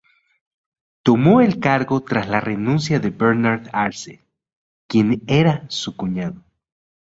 Tomó el cargo tras la renuncia de Bernardo Arce, quien era su cuñado.